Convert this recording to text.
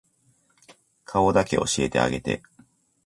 顔だけ教えてあげて